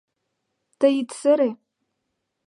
Тый ит сыре.